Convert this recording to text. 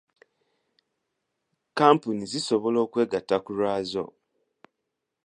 Kkampuni zisobola okwegatta ku lwazo.